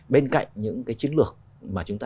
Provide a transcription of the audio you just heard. bên cạnh những cái chiến lược mà chúng ta